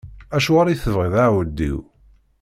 Acuɣer i tebɣiḍ aɛewdiw?